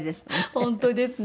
本当ですね。